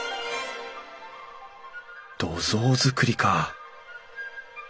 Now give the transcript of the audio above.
土蔵造りか